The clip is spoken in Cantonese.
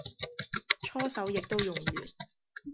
搓手液都用完